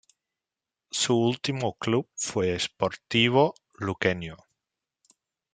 Su último club fue Sportivo Luqueño.